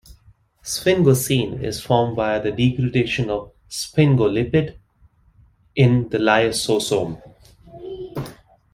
Sphingosine is formed via degradation of sphingolipid in the lysosome.